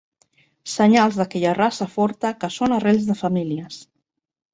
Senyals d'aquella raça forta que són arrels de famílies.